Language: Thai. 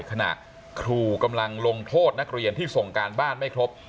ขณะครูกำลังลงโทษนักเรียนที่ส่งการบ้านไม่ครบ